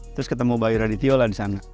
terus ketemu bayu radityo lah di sana